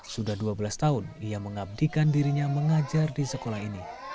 sudah dua belas tahun ia mengabdikan dirinya mengajar di sekolah ini